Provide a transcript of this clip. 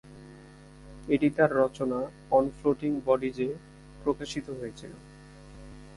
এটি তাঁর রচনা "on floating বডিজ"য়ে প্রকাশিত হয়েছিল।